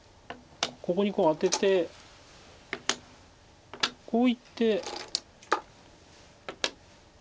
ここにアテてこういって。